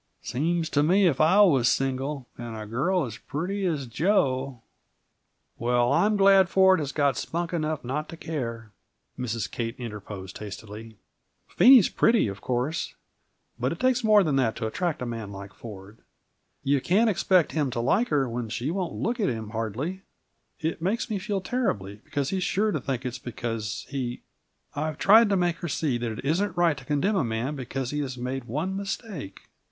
"Seems to me, if I was single, and a girl as pretty as Jo " "Well, I'm glad Ford has got spunk enough not to care," Mrs. Kate interposed hastily. "Phenie's pretty, of course but it takes more than that to attract a man like Ford. You can't expect him to like her when she won't look at him, hardly; it makes me feel terribly, because he's sure to think it's because he I've tried to make her see that it isn't right to condemn a man because he has made one mistake.